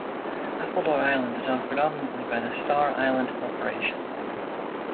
Appledore Island is owned predominantly by the Star Island Corporation.